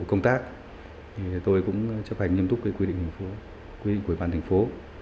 công tác tôi cũng chấp hành nghiêm túc quy định của ủy ban thành phố